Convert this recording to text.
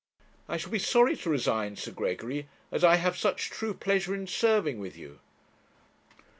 'I shall be sorry to resign, Sir Gregory, as I have such true pleasure in serving with you.'